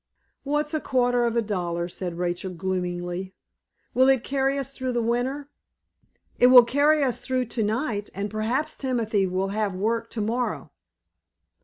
"What's a quarter of a dollar?" said Rachel, gloomily. "Will it carry us through the winter?" "It will carry us through to night, and perhaps Timothy will have work to morrow.